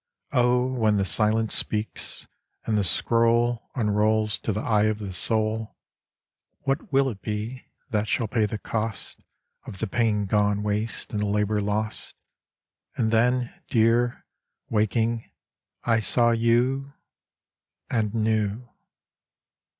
Oh, when the Silence speaks, and the scroll Unrolls to the eye of the soul, What will it be that shall pay the cost Of the pain gone waste and the labor lost! And then, Dear, waking, I saw you And knew.